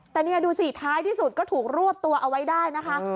แต่นี่ดูสิท้ายที่สุดก็ถูกรวบตัวเอาไว้ได้นะคะ